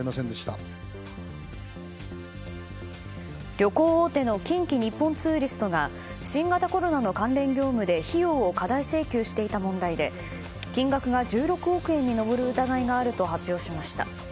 旅行大手の近畿日本ツーリストが新型コロナの関連業務で費用を過大請求していた問題で金額が１６億円に上る疑いがあると発表しました。